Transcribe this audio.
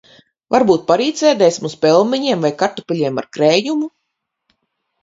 Varbūt parīt sēdēsim uz pelmeņiem vai kartupeļiem ar krējumu.